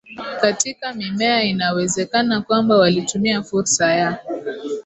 katika mimea inawezekana kwamba walitumia fursa ya